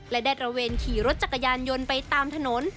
และได้ตระเวนขี่รถจักรยานยนต์ไปตามถนน